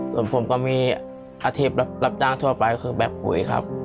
ส่วนผมก็มีอาธิบัติรับตั้งทั่วไปคือแบบหวย